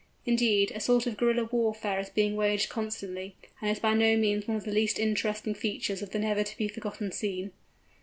Indeed, a sort of guerrilla warfare is being waged constantly, and is by no means one of the least interesting features of the never to be forgotten scene.